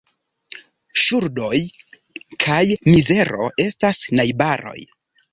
Ŝuldoj kaj mizero estas najbaroj.